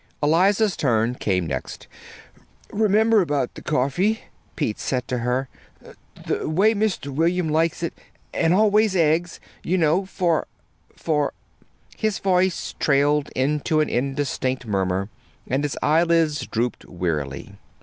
Eliza's turn came next. "Remember about the coffee," Pete said to her, " the way Mr. William likes it. And always eggs, you know, for for " His voice trailed into an indistinct murmur, and his eyelids drooped wearily.